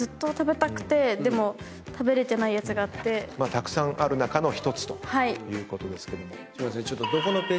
たくさんある中の１つということですけども。